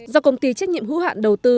do công ty trách nhiệm hữu hạn đầu tư